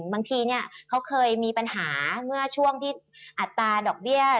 บางทีเนี่ยเขาเคยมีปัญหาเมื่อช่วงที่อัตราดอกเบี้ย